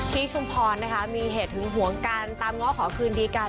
ชุมพรนะคะมีเหตุหึงหวงกันตามง้อขอคืนดีกัน